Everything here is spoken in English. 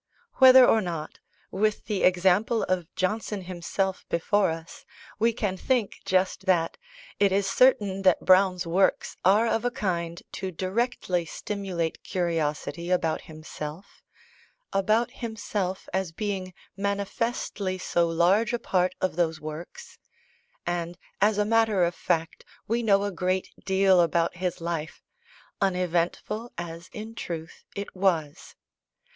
Whether or not, with the example of Johnson himself before us, we can think just that, it is certain that Browne's works are of a kind to directly stimulate curiosity about himself about himself, as being manifestly so large a part of those works; and as a matter of fact we know a great deal about his life, uneventful as in truth it was.